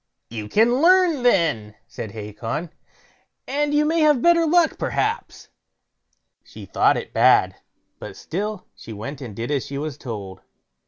"You can learn then", said Hacon, "and you may have better luck, perhaps." She thought it bad, but still she went and did as she was told.